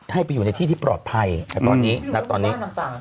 ให้ไปอยู่ในที่ที่ปลอดภัยตอนตอนนี้